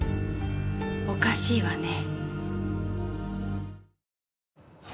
おかしいわね。